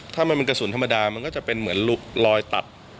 ถ้ามันเป็นกระสุนธรรมดามันก็จะเป็นเหมือนรอยตัด